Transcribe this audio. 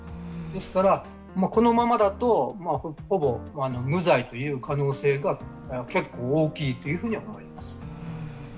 ですからこのままだとほぼ無罪という可能性が結構、大きいとは思います。